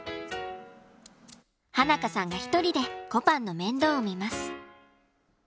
花香さんが一人でこぱんの面倒を見ます。